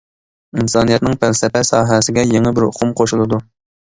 ئىنسانىيەتنىڭ پەلسەپە ساھەسىگە يېڭى بىر ئۇقۇم قوشۇلىدۇ.